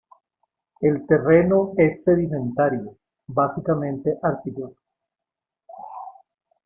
El terreno es sedimentario, básicamente arcilloso.